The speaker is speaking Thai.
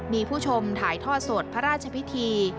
มีผู้ชมถ่ายทอดสดพระราชพิธี